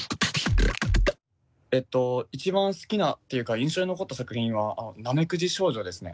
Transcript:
えっと一番好きなっていうか印象に残った作品は「なめくじ少女」ですね。